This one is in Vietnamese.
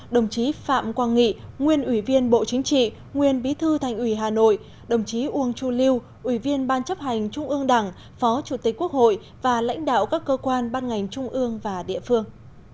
đồng chí phạm quang nghị nguyên ủy viên bộ chính trị nguyên bí thư thành ủy hà nội đồng chí uông chu lưu ủy viên ban chấp hành trung ương đảng phó chủ tịch quốc hội và lãnh đạo các cơ quan ban ngành trung ương và địa phương